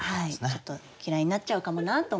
ちょっと嫌いになっちゃうかもなと思って。